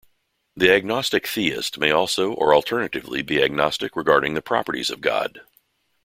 The agnostic theist may also or alternatively be agnostic regarding the properties of God.